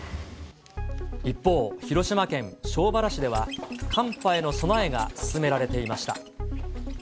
一方、広島県庄原市では、寒波への備えが進められていました。